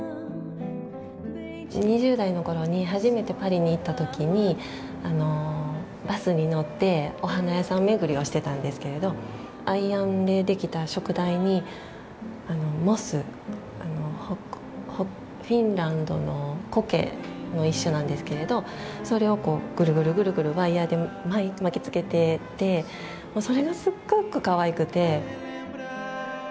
２０代の頃に初めてパリに行った時にバスに乗ってお花屋さん巡りをしてたんですけれどアイアンでできた燭台にモスフィンランドのコケの一種なんですけれどそれをグルグルグルグルワイヤーで巻きつけててもうそれがすっごくかわいくて。